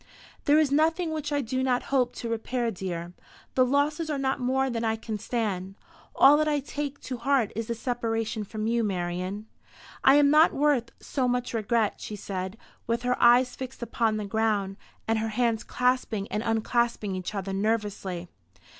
"There is nothing which I do not hope to repair, dear. The losses are not more than I can stand. All that I take to heart is the separation from you, Marian." "I am not worth so much regret," she said, with her eyes fixed upon the ground, and her hands clasping and unclasping each other nervously.